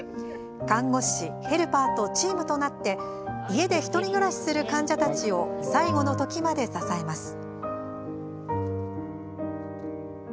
看護師、ヘルパーとチームになって家で１人暮らしする患者たちを最期の時まで支えます。